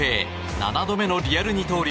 ７度目のリアル二刀流。